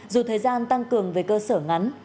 dù thời gian tăng cường về cơ sở ngắn